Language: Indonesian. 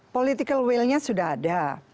political will nya sudah ada